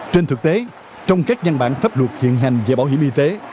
trên thực tế trong các văn bản pháp luật hiện hành về bảo hiểm y tế